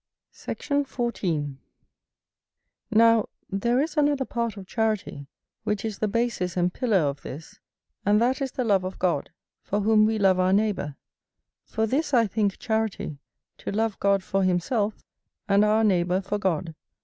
Sect. 14. Now, there is another part of charity, which is the basis and pillar of this, and that is the love of God, for whom we love our neighbour; for this I think charity, to love God for himself, and our neighbour for God.